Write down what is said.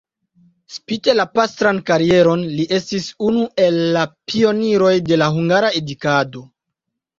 Spite la pastran karieron li estis unu el la pioniroj de la hungara edukado.